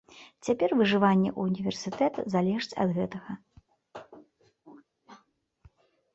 Цяпер выжыванне ўніверсітэта залежыць ад гэтага.